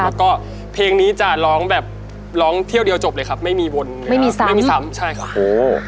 แล้วก็เพลงนี้จะร้องแบบร้องเที่ยวเดียวจบเลยครับไม่มีวนไม่มีซ้ำไม่มีซ้ำใช่ค่ะโห